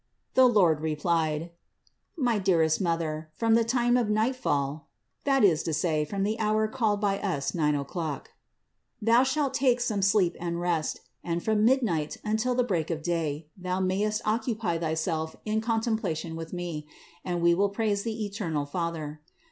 The Lord replied: "My dearest Mother, from the time of nightfall" (that is, from the hour called by us nine o'clock) "thou shalt take some sleep and rest. And from midnight until the break of day thou mayest occupy thyself in contemplation with Me, and We will praise the eternal Father.